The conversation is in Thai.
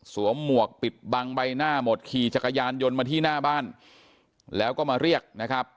หมวกปิดบังใบหน้าหมดขี่จักรยานยนต์มาที่หน้าบ้านแล้วก็มาเรียกนะครับ